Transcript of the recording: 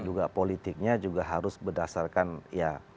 juga politiknya juga harus berdasarkan ya